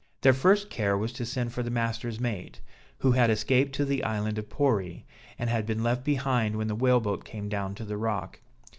Their first care was to send for the master's mate, who had escaped to the island of Pori, and had been left behind when the whale boat came down to the rock.